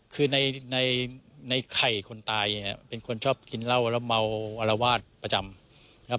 คือในไข่คนตายเป็นคนชอบกินเหล้าแล้วเมาอลวาดประจำ